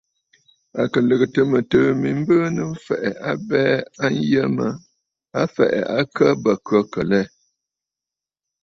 À kɨ lɨ̀gɨtə̀ mɨtɨ̀ɨ̂ mi mbɨɨnə̀ m̀fɛ̀ʼɛ̀ abɛɛ a yə mə a fɛ̀ʼɛ akə bə khə̂kə̀ lɛ.